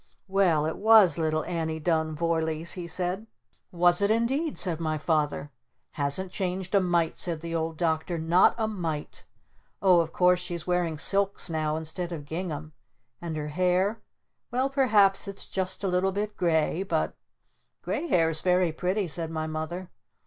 "Well it was little Annie Dun Vorlees!" he said. "Was it indeed?" said my Father. "Hasn't changed a mite!" said the Old Doctor. "Not a mite! Oh of course she's wearing silks now instead of gingham. And her hair? Well perhaps it's just a little bit gray but " "Gray hair's very pretty," said my Mother.